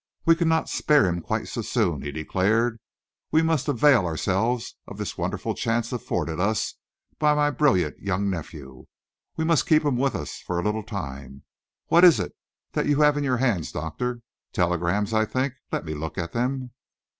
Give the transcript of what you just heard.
"We cannot spare him quite so soon," he declared. "We must avail ourselves of this wonderful chance afforded us by my brilliant young nephew. We must keep him with us for a little time. What is it that you have in your hands, Doctor? Telegrams, I think. Let me look at them."